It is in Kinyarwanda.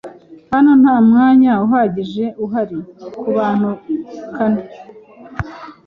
Hano nta mwanya uhagije uhari kubantu kane.